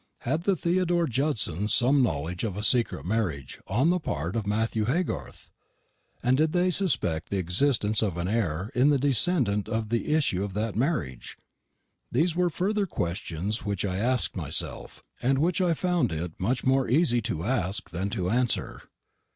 Had the Theodore Judsons some knowledge of a secret marriage on the part of Matthew Haygarth? and did they suspect the existence of an heir in the descendant of the issue of that marriage? These were further questions which I asked myself, and which I found it much more easy to ask than to answer.